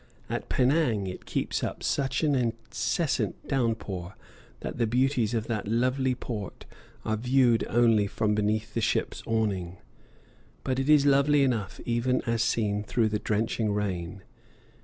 At Penang it keeps up such an incessant downpour that the beauties of that lovely port are viewed only from beneath the ship's awning. But it is lovely enough even as seen through the drenching rain.